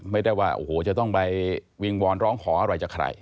ไม่ได้ว่าโอ้โหจะต้องไปวิงวอนร้องขออะไรจากใคร